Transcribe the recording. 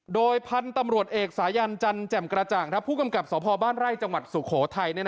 โดยพันธุ์ตำรวจเอกสายันจันแจ่มกระจ่างผู้กำกับสพบ้านไร่จังหวัดสุโขทัย